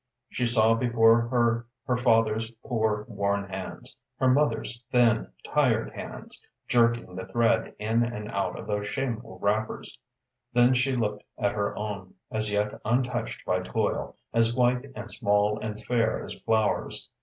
She saw before her her father's poor, worn hands, her mother's thin, tired hands, jerking the thread in and out of those shameful wrappers; then she looked at her own, as yet untouched by toil, as white and small and fair as flowers.